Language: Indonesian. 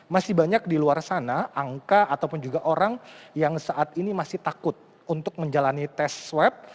masih banyak di luar sana angka ataupun juga orang yang saat ini masih takut untuk menjalani tes swab